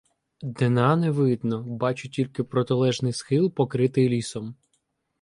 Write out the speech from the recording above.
Дна не видно, бачу тільки протилежний схил, покритий лісом.